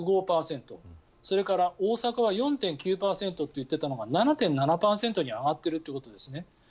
それから大阪は４．９％と言っていたのが７．７％に上がっているというんですね。